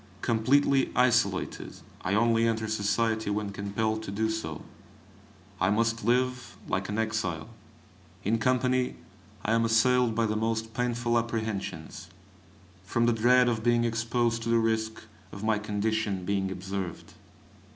Completely isolated, I only enter society when compelled to do so. I must live like an exile. In company I am assailed by the most painful apprehensions, from the dread of being exposed to the risk of my condition being observed.